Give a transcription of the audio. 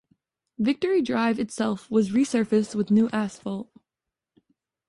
Victory Drive itself was resurfaced with new asphalt.